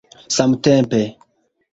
samtempe